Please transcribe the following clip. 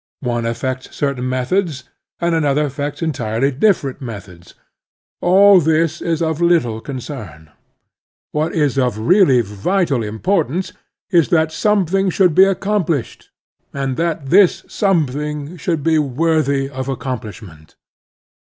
One affects certain methods and another affects entirely different methods. All this is of little concern. What is of really vital importance is that something should be accom pli^ed, and that this something should be worthy 56 The Strenuous Life of accomplishment.